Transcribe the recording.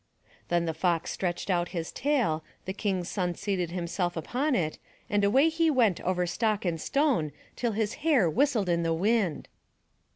*' Then the Fox stretched out his tail, the King's son seated himself upon it and away he went over stock and stone till his hair whistled in the wind.